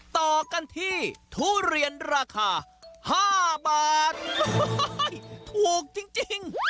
ต่อกันที่ทุเรียนราคา๕บาทถูกจริง